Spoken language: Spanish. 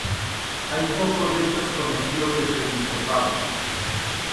Hay pocos hechos conocidos de su episcopado.